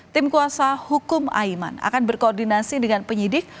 tim kuasa hukum aiman akan berkoordinasi dengan penyidik